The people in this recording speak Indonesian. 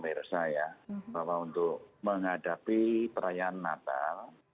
mbak putri saya ingin mengucapkan kepada anda bahwa untuk menghadapi perayaan natal